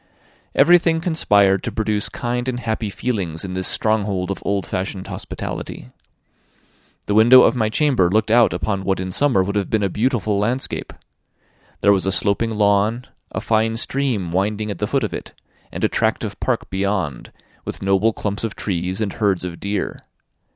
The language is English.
Everything conspired to produce kind and happy feelings in this stronghold of old fashioned hospitality. The window of my chamber looked out upon what in summer would have been a beautiful landscape. There was a sloping lawn, a fine stream winding at the foot of it, and a tract of park beyond, with noble clumps of trees, and herds of deer.